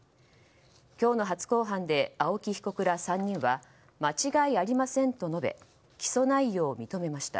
今日の初公判で青木被告ら３人は間違いありませんと述べ起訴内容を認めました。